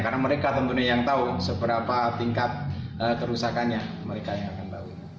karena mereka tentunya yang tahu seberapa tingkat kerusakannya mereka yang akan tahu